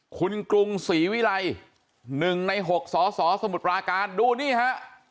คุณกรุงศรีวิรัย๑ใน๖สสสมุทรปราการดูนี่ฮะ